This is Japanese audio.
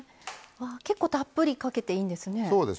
結構たっぷりかけていいんですね。